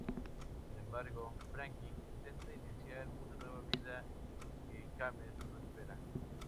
Sin embargo, Frankie intenta iniciar una nueva vida que James no espera.